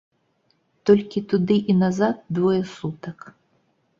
Толькі туды і назад двое сутак.